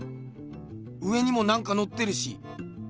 上にもなんかのってるし。